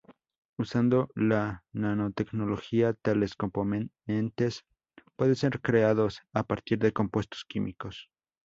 Usando la nanotecnología, tales componentes pueden ser creados a partir de compuestos químicos.